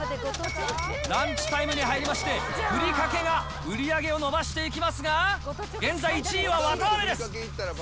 ランチタイムに入りまして、ふりかけが売り上げを伸ばしていきますが、現在１位は綿あめです。